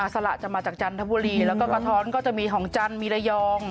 สละจะมาจากจันทบุรีแล้วก็กระท้อนก็จะมีของจันทร์มีระยอง